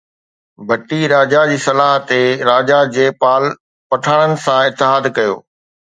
ڀٽي راجا جي صلاح تي راجا جيپال پٺاڻن سان اتحاد ڪيو